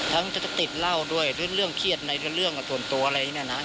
ถ้าคงจะติดเง่าด้วยเรื่องเครียดอะไรจริงส่วนตัวอะไรอันนี้นะนะ